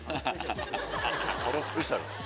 パロ・スペシャル。